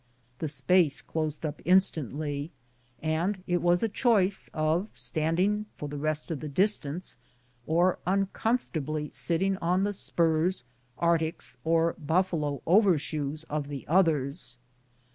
The space closed up instantly, and it was a choice of standing for the rest of the distance, or uncomfortably sitting on the spurs, arc tics, or buffalo over shoes of the others.